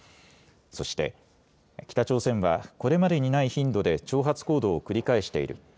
そして、北朝鮮はこれまでにない頻度で挑発行動を繰り返している。